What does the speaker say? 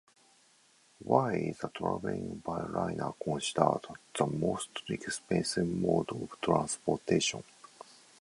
Why is traveling by liner considered the most expensive mode of transportation?